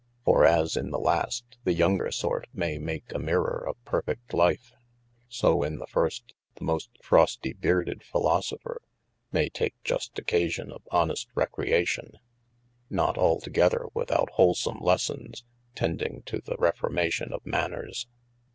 For as in the last, the yonger sort maye make a mirror of perfecte life : so in the first, the most frosty bearded Philosopher, maye take just occasion of honest recreation, not altogether without noisome 490 APPENDIX lessons, tending to the reformation of manners.